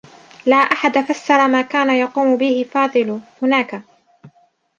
لا أحد فسّر ما كان يقوم به فاضل هناك.